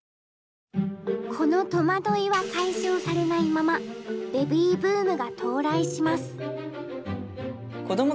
この戸惑いは解消されないままベビーブームが到来します。